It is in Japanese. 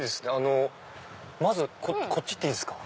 まずこっち行っていいですか？